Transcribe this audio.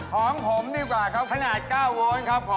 ของผมดีกว่าครับขนาด๙วอนครับผม